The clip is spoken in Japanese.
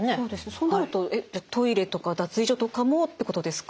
そうなるとトイレとか脱衣所とかもってことですか？